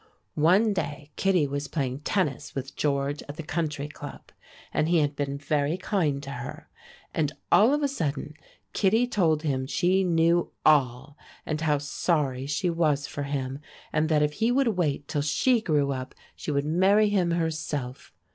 One day Kittie was playing tennis with George at the Country Club, and he had been very kind to her, and all of a sudden Kittie told him she knew all, and how sorry she was for him, and that if he would wait till she grew up she would marry him herself.